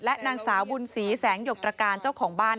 นางสาวบุญศรีแสงหยกตรการเจ้าของบ้าน